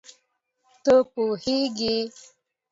ته پوهېږې